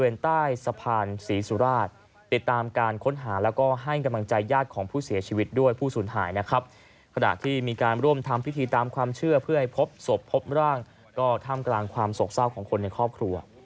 ขณะที่มีการร่วมทำพิธีตามความเชื่อเพื่อให้พบศพพบร่างก็ท่ามกลางความโศกเศร้าของคนในครอบครัว